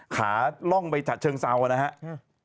ขาล่องไปฉะเชิงเซานะครับ